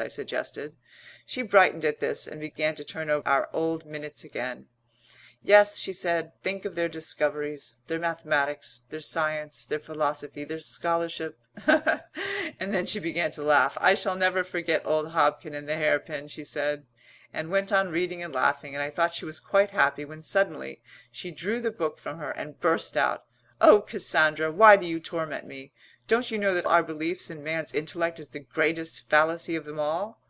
I suggested. She brightened at this and began to turn over our old minutes again. "Yes," she said, "think of their discoveries, their mathematics, their science, their philosophy, their scholarship " and then she began to laugh, "I shall never forget old Hobkin and the hairpin," she said, and went on reading and laughing and I thought she was quite happy, when suddenly she drew the book from her and burst out, "Oh, Cassandra, why do you torment me? Don't you know that our belief in man's intellect is the greatest fallacy of them all?"